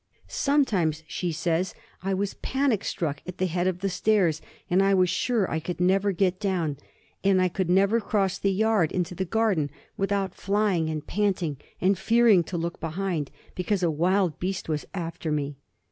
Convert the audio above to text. "Sometimes," she says, "I was panic struck at the head of the stairs, and was sure I could never get down; and I could never cross the yard into the garden without flying and panting, and fearing to look behind, because a wild beast was after me.